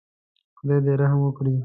خدای دې رحم وکړي.